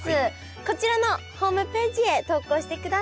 こちらのホームページへ投稿してください。